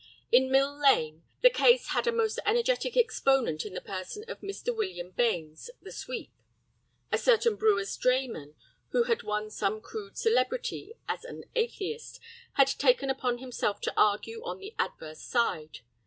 In Mill Lane the case had a most energetic exponent in the person of Mr. William Bains, the sweep. A certain brewer's drayman, who had won some crude celebrity as an atheist, had taken upon himself to argue on the adverse side.